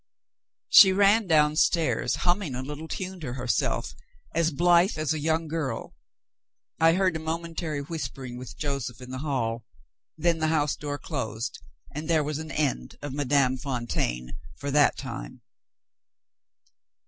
She ran downstairs, humming a little tune to herself, as blithe as a young girl. I heard a momentary whispering with Joseph in the hall. Then the house door closed and there was an end of Madame Fontaine for that time.